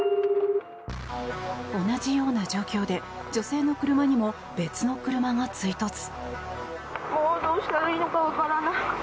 同じような状況で女性の車にも別の車が追突。